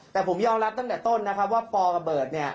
แต่ผมยอมรับตั้งแต่ต้นนะครับว่าปอกับเบิร์ตเนี่ย